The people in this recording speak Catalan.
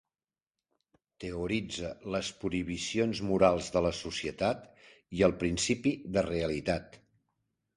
Teoritze les prohibicions morals de la societat i el principi de realitat.